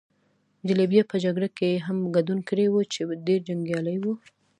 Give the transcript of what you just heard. د لیبیا په جګړه کې يې هم ګډون کړی وو، چې ډېر جنګیالی وو.